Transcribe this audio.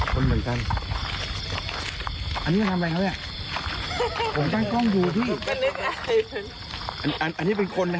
ขนเหมือนกัน